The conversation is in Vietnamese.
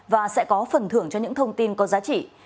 và sẽ có phần thưởng cho những thông tin có giá trị